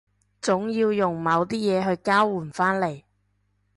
總要用某啲嘢去交換返嚟